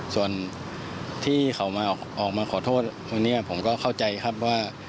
ส่วนที่เขามาออกมาขอโทษวันนี้ผมก็เข้าใจครับว่า